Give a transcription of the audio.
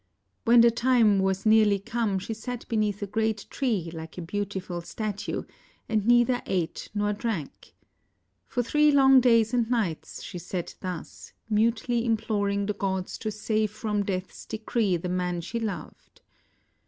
When the time was nearly come she sat beneath a great tree like a beautiful statue and neither ate nor drank. For three long days and nights she sat thus, mutely imploring the gods to save from death's decree the man she loved.